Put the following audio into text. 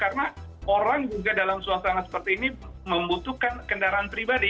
karena orang juga dalam suasana seperti ini membutuhkan kendaraan pribadi